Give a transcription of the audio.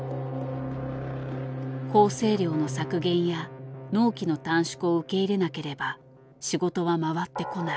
校正料の削減や納期の短縮を受け入れなければ仕事は回ってこない。